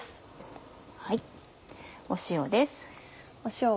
塩です。